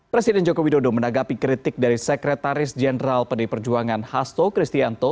presiden jokowi dodo menanggapi kritik dari sekretaris jenderal peneri perjuangan hasto cristianto